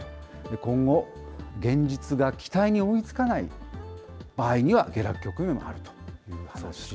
今後、現実が期待に追いつかない場合には下落局面もあると。